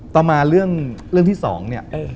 ต่อมาเรื่องที่๒เนี่ย